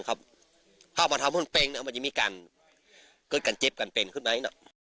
เข้ามาทำส่วนเปล้งมีการเจ็บกันเป็นขึ้นไหน